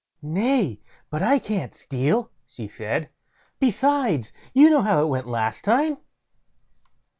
"Nay, but I can't steal", she said; "besides, you know how it went last time."